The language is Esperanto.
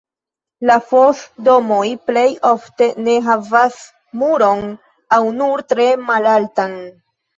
La fos-domoj plej ofte ne havas muron aŭ nur tre malaltan.